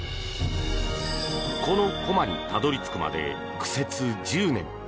このコマにたどり着くまで苦節１０年。